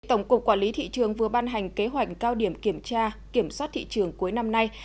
tổng cục quản lý thị trường vừa ban hành kế hoạch cao điểm kiểm tra kiểm soát thị trường cuối năm nay